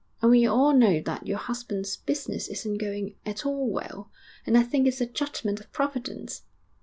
And we all know that your husband's business isn't going at all well, and I think it's a judgment of Providence.'